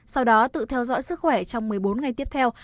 sau đó tự theo dõi sức khỏe trong một mươi bốn ngày tiếp theo